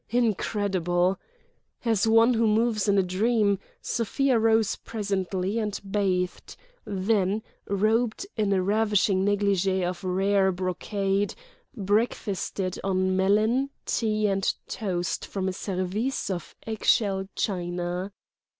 Incredible! As one who moves in a dream, Sofia rose presently and bathed, then, robed in a ravishing negligée of rare brocade, breakfasted on melon, tea, and toast from a service of eggshell china.